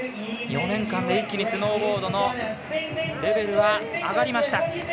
４年間で一気にスノーボードのレベルは上がりました。